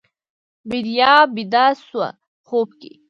بیدیا بیده شوه خوب کې